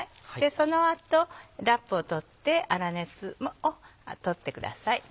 その後ラップを取って粗熱をとってください。